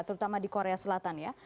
terutama di korea selatan ya